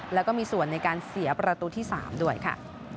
แล้วก็มีส่วนในการเสียประตูที่๓ด้วยค่ะ